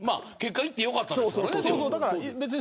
行ってよかったですからね結果。